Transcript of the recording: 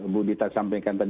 bu dita sampaikan tadi